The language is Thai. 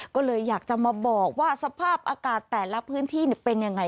ก็เลยอยากจะมาบอกว่าสภาพอากาศแต่ละพื้นที่เป็นยังไง